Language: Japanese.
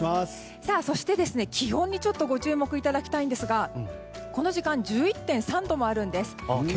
そして、気温にご注目いただきたいんですがこの時間１１．３度もあるんです。